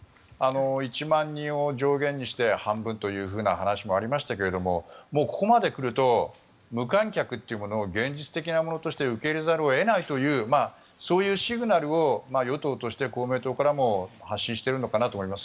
１万人を上限にして半分という話もありましたがもうここまで来ると無観客というものを現実的なものとして受け入れざるを得ないというそういうシグナルを与党として公明党からも発信しているのかなと思います。